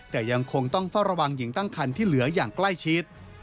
แต่ยังคงต้องเฝ้าระวังหญิงตั้งคันที่เหลืออย่างใกล้ชิด